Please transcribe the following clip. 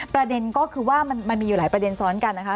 ประเด็นก็คือว่ามันมีอยู่หลายประเด็นซ้อนกันนะคะ